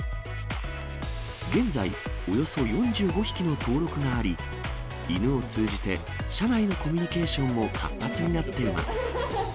現在、およそ４５匹の登録があり、犬を通じて、社内のコミュニケーションも活発になっています。